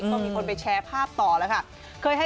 ก็มีคนไปแชร์ภาพต่อแล้วค่ะ